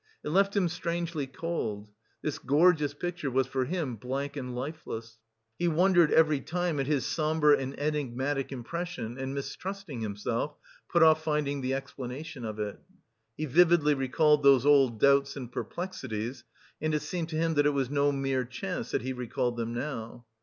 It left him strangely cold; this gorgeous picture was for him blank and lifeless. He wondered every time at his sombre and enigmatic impression and, mistrusting himself, put off finding the explanation of it. He vividly recalled those old doubts and perplexities, and it seemed to him that it was no mere chance that he recalled them now.